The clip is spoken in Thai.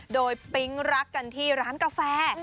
โดยปิ๊งรักกันที่ร้านกาแฟ